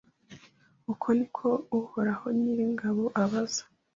Uko ni ko Uhoraho Nyiringabo abaza